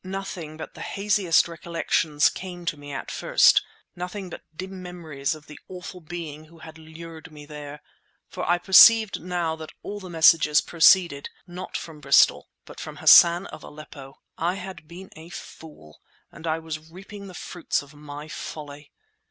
Nothing but the haziest recollections came to me at first, nothing but dim memories of the awful being who had lured me there; for I perceived now that all the messages proceeded, not from Bristol, but from Hassan of Aleppo! I had been a fool, and I was reaping the fruits of my folly.